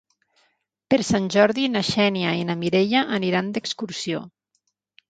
Per Sant Jordi na Xènia i na Mireia aniran d'excursió.